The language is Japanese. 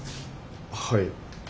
はい。